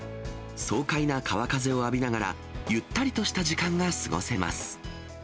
爽快な川風を浴びながら、ゆったりとした時間が過ごせます。